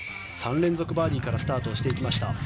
３連続バーディーからスタートしていきました。